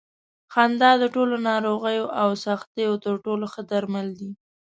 خندا د ټولو ناروغیو او سختیو تر ټولو ښه درمل دي.